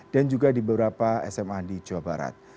juga di beberapa sma di jawa barat